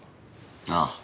ああ。